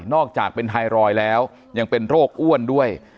อกจากเป็นไทรอยด์แล้วยังเป็นโรคอ้วนด้วย